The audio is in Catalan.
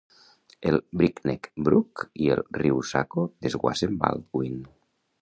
El Breakneck Brook i el riu Saco desguassen Baldwin.